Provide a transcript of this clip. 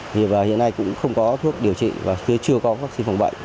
hiện nay cũng không có thuốc điều trị và chưa có vắc xin phòng bệnh